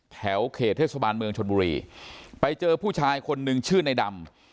แถวเขตเทศบาลเมืองชนบุรีไปเจอผู้ชายคนนึงชื่อในดำ